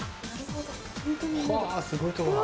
はぁすごいとこだ。